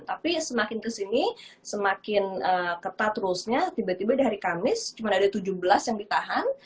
tapi semakin kesini semakin ketat rulesnya tiba tiba di hari kamis cuma ada tujuh belas yang ditahan